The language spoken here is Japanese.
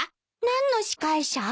何の司会者？